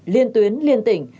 liên tuyến liên tỉnh